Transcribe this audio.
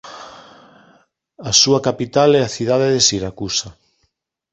A súa capital é a cidade de Siracusa.